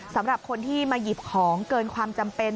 สำหรับคนที่มาหยิบของเกินความจำเป็น